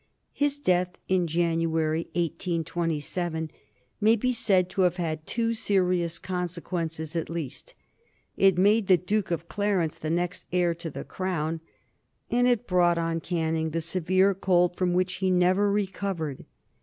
His death in January, 1827, may be said to have had two serious consequences at least it made the Duke of Clarence the next heir to the crown, and it brought on Canning the severe cold from which he never recovered.